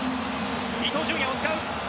伊東純也を使う。